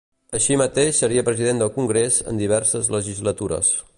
Així mateix seria President del Congrés en diverses legislatures.